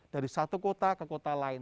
dari satu kota ke kota lain